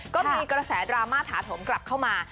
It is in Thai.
ก็มีกระแสดราม่าถาถมกลับเข้ามา